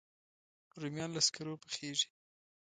رومیان له سکرو پخېږي